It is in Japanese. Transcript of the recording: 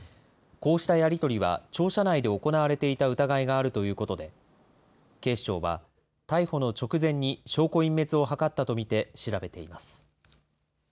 こうしたやり取りは、庁舎内で行われていた疑いがあるということで、警視庁は、逮捕の直前に証拠隠滅を図ったと見て調べています。